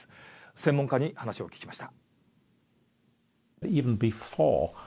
専門家に話を聞きました。